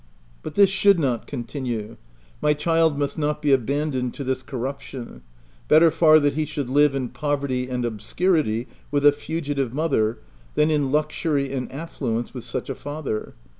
But this should not continue ; my child must not be abandoned to this corruption : better far that he should live in poverty and obscurity with a fugitive mother, than in luxury and affluence with such a father.